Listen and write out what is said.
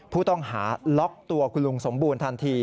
ผู้ต้องหาล็อกตัวคุณลุงสมบูรณทันที